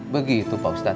begitu pak ustad